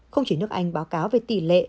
không chỉ nước anh báo cáo về tỷ lệ